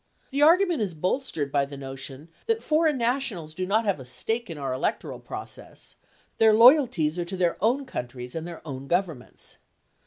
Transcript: The argument is bolstered by the notion that foreign nationals do not have a stake in our electoral process ; their loyalties are to their own countries and their own gov ernments.